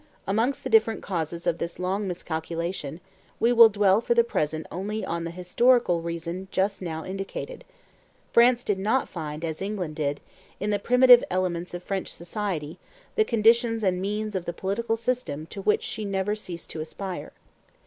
Amongst the different causes of this long miscalculation, we will dwell for the present only on the historical reason just now indicated: France did not find, as England did, in the primitive elements of French society the conditions and means of the political system to which she never ceased to aspire.